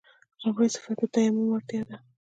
لومړی صفت د تعمیم وړتیا ده.